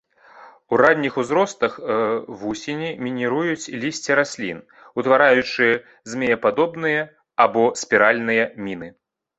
У ранніх узростах вусені мініруюць лісце раслін, утвараючы змеепадобныя або спіральныя міны.